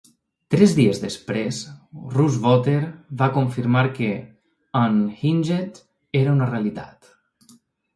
Tres dies després, Rosewater va confirmar que "Unhinged" era una realitat.